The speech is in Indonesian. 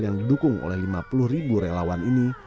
yang didukung oleh lima puluh ribu relawan ini